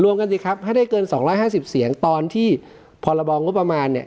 รวมกันสิครับถ้าได้เกินสองร้ายห้าสิบเสียงตอนที่พรระบงปมาเนี่ย